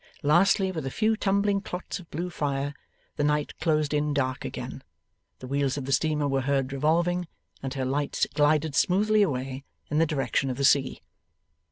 Lastly, with a few tumbling clots of blue fire, the night closed in dark again, the wheels of the steamer were heard revolving, and her lights glided smoothly away in the direction of the sea.